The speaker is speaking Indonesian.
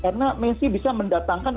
karena messi bisa mendatangkan